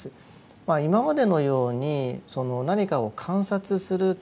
まあ今までのようにその何かを観察するとかですね